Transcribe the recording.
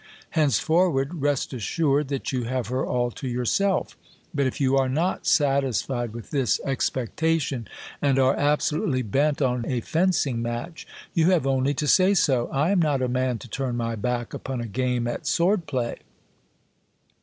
Henceforward, rest assured that you have her all to your self. But if you are not satisfied with this expectation, and are absolutely bent on a fencing match, you have only to say so ; I am not a man to turn my back upon a game at sword play.